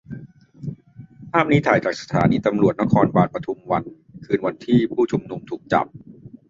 ภาพนี้ถ่ายจากสถานีตำรวจนครบาลปทุมวัน คืนวันที่ผู้ชุมนุมถูกจับ